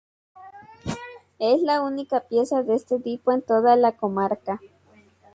Es la única pieza de este tipo en toda la comarca.